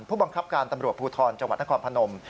ผู้บังคับการตำรวจภูทรจังหวัดนครพนม